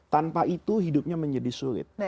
tanpa itu hidupnya menjadi sulit